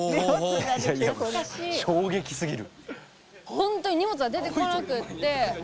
ほんとに荷物が出てこなくって。